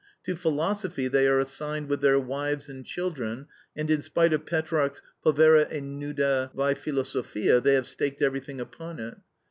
To philosophy they are assigned with their wives and children, and in spite of Petrarch's povera e nuda vai filosofia, they have staked everything upon it.